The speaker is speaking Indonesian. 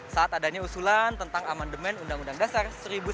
saat adanya usulan tentang amandemen undang undang dasar seribu sembilan ratus empat puluh